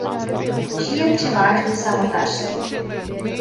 Žije převážně samotářsky.